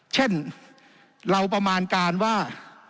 เช่นเราประมาณการว่า